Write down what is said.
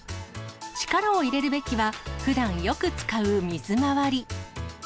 力を入れるべきは、ふだんよく使う水回り。